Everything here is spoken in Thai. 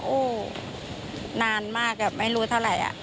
โอ้นานมากไม่รู้เท่าไร